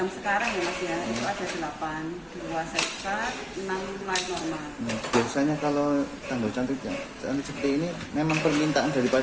sejumlah bayi di rsud jombang latifatul menyebutkan